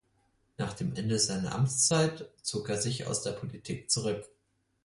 Nach dem Ende seiner Amtszeit zog er sich aus der Politik zurück.